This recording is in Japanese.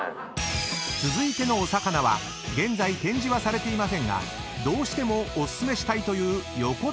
［続いてのお魚は現在展示はされていませんがどうしてもお薦めしたいというヨコヅナイワシ］